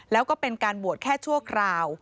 แล้วก็เป็นการบวชแค่ชั่วคราว